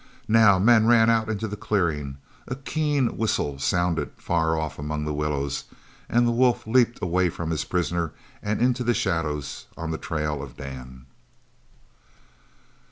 Now men ran out into the clearing. A keen whistle sounded far off among the willows, and the wolf leaped away from his prisoner and into the shadows on the trail of Dan.